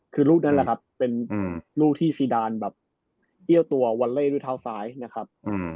คือลูกนั้นแหละครับเป็นลูกที่ซีดานแบบเอี้ยวตัววอลเล่ด้วยเท้าซ้ายนะครับ